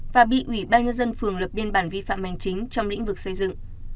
và bị ủy ban nhân dân phường lập biên bản vi phạm hành chính trong lĩnh vực xây dựng